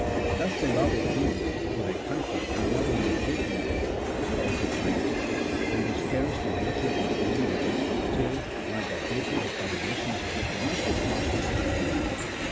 Thus the love of the Hebrews for their country was not only patriotism, but also piety, and was cherished and nurtured by daily rites till, like their hatred of other nations, it must have passed into their nature.